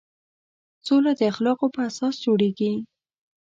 سوله د اخلاقو په اساس جوړېږي.